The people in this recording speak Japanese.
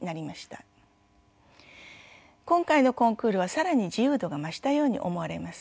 今回のコンクールは更に自由度が増したように思われます。